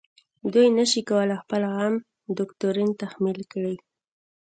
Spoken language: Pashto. دوی نشي کولای خپل عام دوکتورین تحمیل کړي.